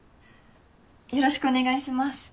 よろしくお願いします。